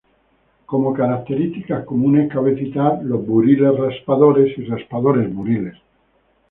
Como características comunes cabe citar los buriles, raspadores y raspadores-buriles.